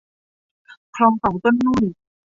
คลองสองต้นนุ่น